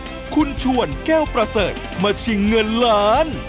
คุณชวนแก้วประเสริฐมาชิงเงินล้าน